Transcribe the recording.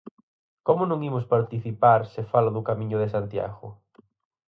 ¿Como non imos participar se fala do Camiño de Santiago?